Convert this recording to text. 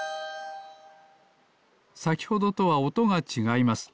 さきほどとはおとがちがいます。